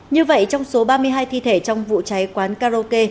như vậy trong số ba mươi hai thi thể trong vụ cháy quán karaoke